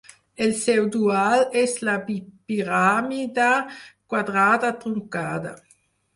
El seu dual és la bipiràmide quadrada truncada.